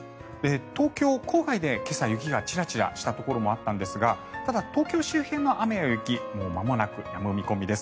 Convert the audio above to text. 東京郊外で今朝雪がちらちらしたところもあったんですがただ、東京周辺の雨や雪もうまもなく、やむ見込みです。